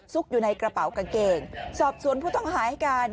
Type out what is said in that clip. อยู่ในกระเป๋ากางเกงสอบสวนผู้ต้องหาให้การ